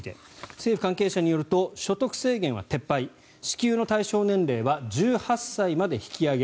政府関係者によると所得制限は撤廃支給の対象年齢は１８歳まで引き上げ。